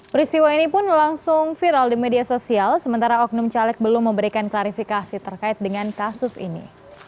peristiwa ini pun langsung viral di media sosial sementara oknum caleg belum memberikan klarifikasi terkait dengan kasus ini